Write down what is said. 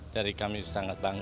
jadi kami sangat bangga